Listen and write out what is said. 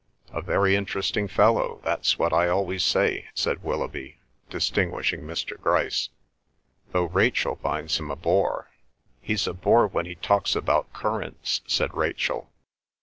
"A very interesting fellow—that's what I always say," said Willoughby, distinguishing Mr. Grice. "Though Rachel finds him a bore." "He's a bore when he talks about currents," said Rachel.